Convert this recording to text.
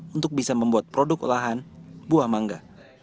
untuk bisa membuat produk olahan buah mangga